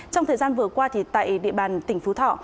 trong thời gian vừa qua tại địa bàn tỉnh phú thọ